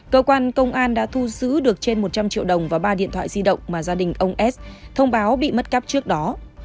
cơ quan công an đã thu giữ được trên một trăm linh triệu đồng và ba điện thoại di động mà gia đình ông s thông báo bị mất cắp trước đó